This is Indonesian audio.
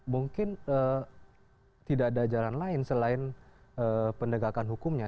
mungkin tidak ada jalan lain selain penegakan hukumnya